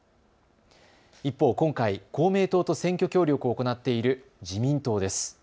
一方、今回、公明党と選挙協力を行っている自民党です。